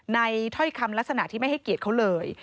ถ้อยคำลักษณะที่ไม่ให้เกียรติเขาเลย